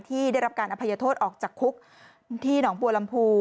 ที่ได้รับการอภัยโทษออกจากคุกที่หนองบัวลำพู